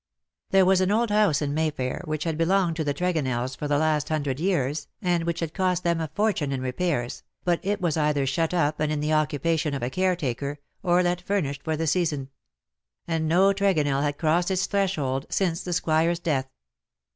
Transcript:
There was an old house in Mayfair, which had belonged to the Tregonells for the last hundred years, and which had cost them a fortune in repairs, but it was either shut up and in the occupation of a caretaker, or let furnished for the season ; and no Tregonell had crossed its threshold since the Squire^s death.